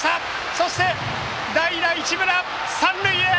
そして代打・市村は三塁へ！